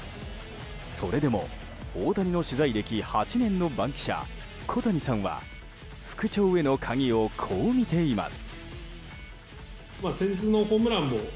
それでも大谷の取材歴８年の番記者小谷さんは復調への鍵をこうみています。